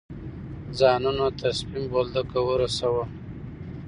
ځانونه تر سپین بولدکه ورسوه.